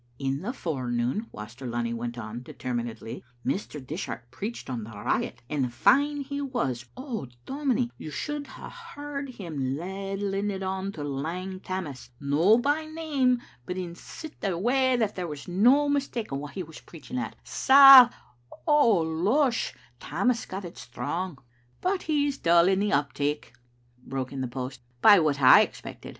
"In the forenoon," Waster Lunny went on deter minedly, " Mr. Dishart preached on the riot, and fine he was. Oh, dominie, you should hae heard him ladling it on to Lang Taimxpas^ UQ by name but in sic a way Digitized by VjOOQ IC M Vbe I4ttle AtmgUt, that there was no mistaking wha he was preaching at. Sal ! oh losh! Tammas got it strcmg." '* But he's dull in the uptake/' broke in the post, hf what I expected.